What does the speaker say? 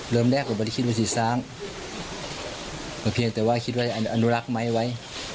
แรกก็ไม่ได้คิดว่าสี่ซ้างก็เพียงแต่ว่าคิดว่าอนุรักษ์ไหมไว้